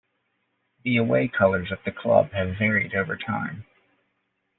The away colours of the club have varied over time.